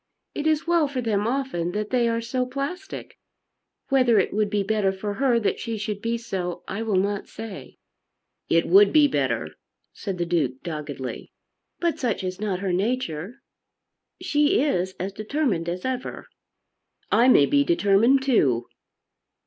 It is well for them often that they are so plastic. Whether it would be better for her that she should be so I will not say." "It would be better," said the Duke doggedly. "But such is not her nature. She is as determined as ever." "I may be determined too."